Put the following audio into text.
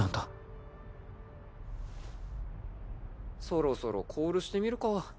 そろそろコールしてみるか。